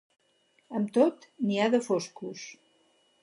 Amb tot, n'hi ha de foscos.